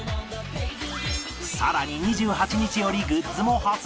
さらに２８日よりグッズも発売